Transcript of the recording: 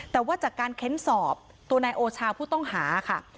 แต่ว่าจากการเค้นสอบตัวนายโอชาผู้ต้องหาค่ะ